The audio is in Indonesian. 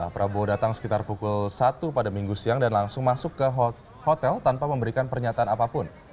prabowo datang sekitar pukul satu pada minggu siang dan langsung masuk ke hotel tanpa memberikan pernyataan apapun